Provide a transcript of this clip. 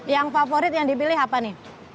yang favorit yang dipilih apa nih